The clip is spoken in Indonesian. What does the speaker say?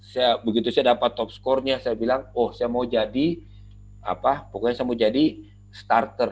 saya begitu saya dapat top score nya saya bilang oh saya mau jadi apa pokoknya saya mau jadi starter